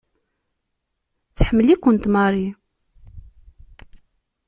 Tḥemmel-ikent Mary.